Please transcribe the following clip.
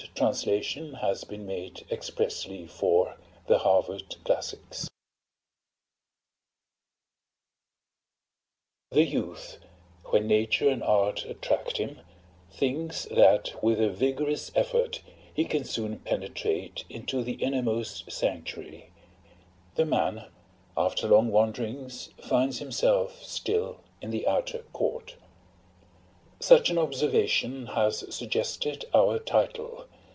INTRODUCTION TO THE PROPYLÄEN [A] BY J.W. VON GOETHE. (1798) The youth, when Nature and Art attract him, thinks that with a vigorous effort he can soon penetrate into the innermost sanctuary, the man, after long wanderings, finds himself still in the outer court. Such an observation has suggested our title.